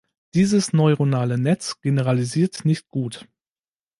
Dieses neuronale Netz generalisiert nicht gut.